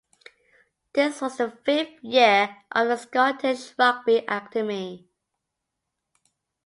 This was the fifth year of the Scottish Rugby Academy.